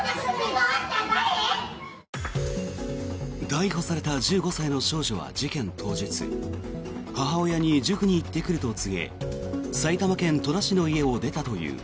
逮捕された１５歳の少女は事件当日母親に塾に行ってくると告げ埼玉県戸田市の家を出たという。